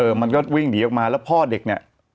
มันก็วิ่งหนีออกมาแล้วพ่อเด็กเนี่ย